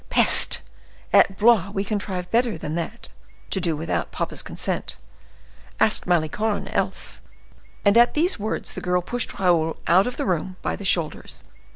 Peste! at Blois we contrive better than that, to do without papa's consent. Ask Malicorne else!" And at these words the girl pushed Raoul out of the room by the shoulders.